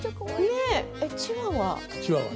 チワワ？